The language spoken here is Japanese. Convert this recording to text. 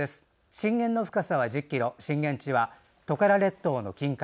震源の深さは１０ｋｍ震源地はトカラ列島の近海。